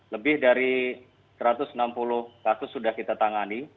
lebih dari satu ratus enam puluh kasus sudah kita tangani